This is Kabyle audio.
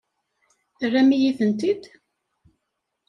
Terram-iyi-tent-id?